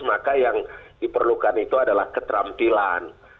maka yang diperlukan itu adalah keterampilan